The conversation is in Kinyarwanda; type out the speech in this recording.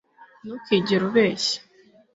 ntukigere ubeshya